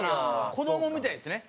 子供みたいでしたね。